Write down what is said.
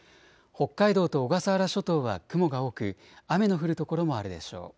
北海道と小笠原諸島は雲が多く雨の降る所もあるでしょう。